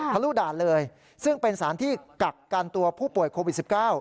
ทะลุด่านเลยซึ่งเป็นสารที่กักกันตัวผู้ป่วยโควิด๑๙